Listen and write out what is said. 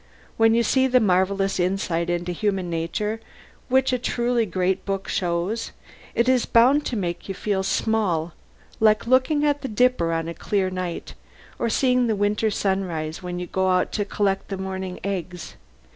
When you see the marvellous insight into human nature which a truly great book shows, it is bound to make you feel small like looking at the Dipper on a clear night, or seeing the winter sunrise when you go out to collect the morning eggs.